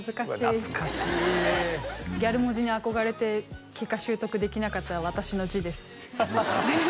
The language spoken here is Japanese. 懐かしいギャル文字に憧れて結果習得できなかった私の字です